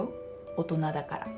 大人だから。